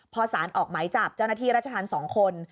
พอสารออกหมายจับเจ้าหน้าที่ราชธรรม๒คน